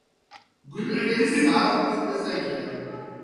Gulligich sariq qo‘ng‘izday keladi.